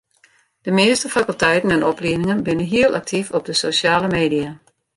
De measte fakulteiten en opliedingen binne hiel aktyf op social media.